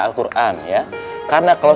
al quran ya karena kalau